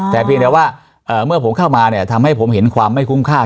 แต่เพียงแต่ว่าเมื่อผมเข้ามาเนี่ยทำให้ผมเห็นความไม่คุ้มค่า